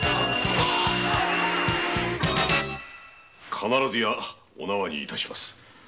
必ずやお縄に致します。